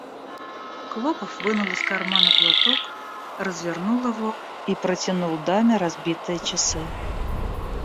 Клопов вынул из кармана платок, развернул его и протянул даме разбитые часы.